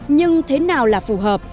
nhưng thế nào là phù hợp